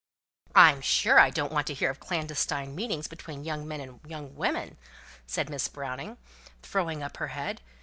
"I'm sure I don't want to hear of clandestine meetings between young men and young women," said Miss Browning, throwing up her head.